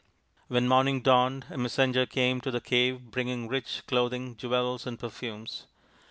When morning dawned a messenger came to the cave bringing rich clothing, jewels, and perfumes.